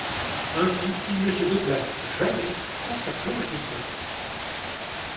Ainsi, il ne se déplace jamais sans sa planche de surf.